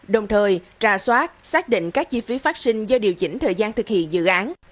đồng thời trà soát xác định các chi phí phát sinh do điều chỉnh thời gian thực hiện dự án